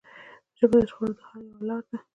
ژبه د شخړو د حل یوه لاره ده